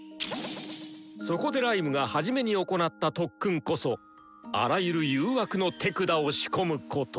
そこでライムが初めに行った特訓こそ「あらゆる誘惑の手管を仕込む」こと。